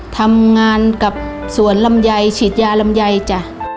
ทำงานกับสวนลำไยฉีดยาลำไยจ้ะ